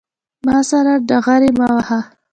ما سره ډغرې مه وهه